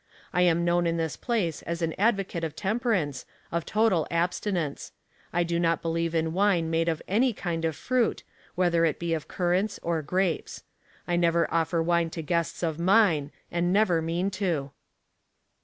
I am known in this place as an advocate of temperance, of total abstinence. I do not believe in wine made of any kind of fruit, whether it be of currants or grapes. I never offer wine to guests of mine^ and never mean to."